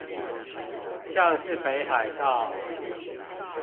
像是北海道